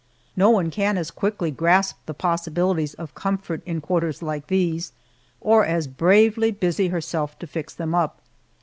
No one can as quickly grasp the possibilities of comfort in quarters like these, or as bravely busy herself to fix them up.